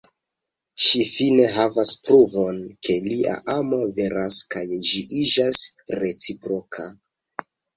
Ŝi fine havas pruvon ke lia amo veras, kaj ĝi iĝas reciproka.